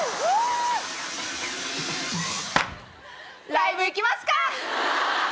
ライブ行きますか！